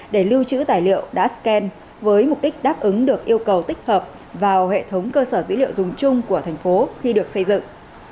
để lưu trữ tài liệu đã scan với mục đích đáp ứng được yêu cầu tích hợp vào hệ thống cơ sở dữ liệu dùng chung của thành phố khi được xây dựng